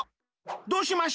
どうしました？